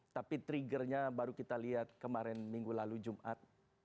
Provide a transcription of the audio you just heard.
tapi triggernya baru kita lihat kemarin minggu lalu jumat